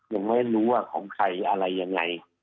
ยังไม่รู้ว่าของใครอะไรยังไง